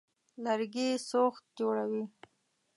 لرګي سوخت جوړوي.